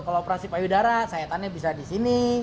kalau operasi payudara sayatannya bisa disini